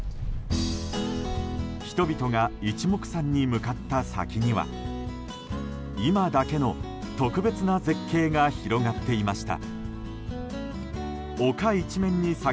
人々が一目散に向かった先には今だけの特別な絶景が広がっていました。